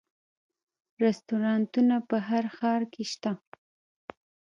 رستورانتونه په هر ښار کې شته